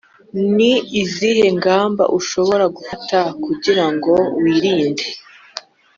Ni izihe ngamba ushobora gufata kugira ngo wirinde